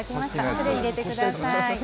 それを入れてください。